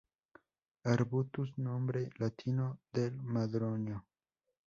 Arbutus: nombre latino del "madroño".